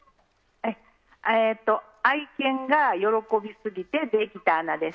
愛犬が喜びすぎてできた穴です。